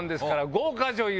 豪華女優